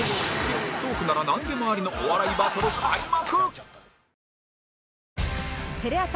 トークならなんでもありのお笑いバトル開幕！